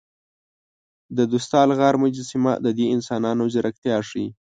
د ستادل غار مجسمه د دې انسانانو ځیرکتیا ښيي.